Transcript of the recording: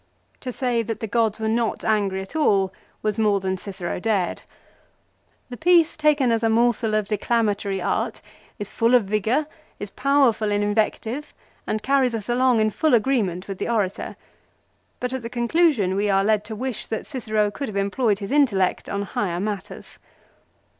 To say that the gods were not angry at all was more than Cicero dared. The piece taken as a morsel of declamatory art is full of vigour, is powerful in invective and carries us along in full agreement with the orator ; but at the con clusion we are led to wish that Cicero could have employed his intellect on higher matters.